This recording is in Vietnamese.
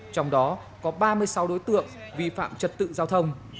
trong đó có ba mươi sáu đối tượng vi phạm trật tự giao thông